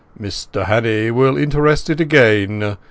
"Mr Hannay will interest it again.